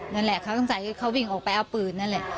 นั่นแหละเค้าต้องใส่เค้าวิ่งออกไปเอาปืนนั่นแหละ